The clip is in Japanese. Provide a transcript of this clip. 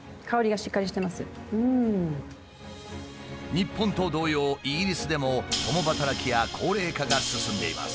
日本と同様イギリスでも共働きや高齢化が進んでいます。